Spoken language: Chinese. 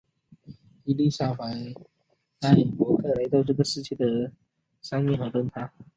伊丽莎白带伯克来到了这个世界的上面和灯塔。